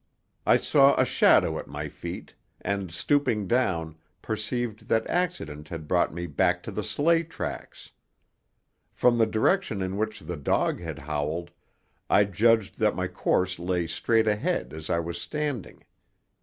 I saw a shadow at my feet, and stooping down, perceived that accident had brought me back to the sleigh tracks. From the direction in which the dog had howled, I judged that my course lay straight ahead as I was standing.